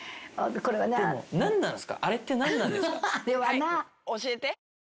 何なんすか？